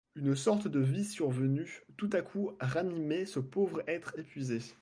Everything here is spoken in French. Une sorte de vie survenue tout à coup ranimait ce pauvre être épuisé.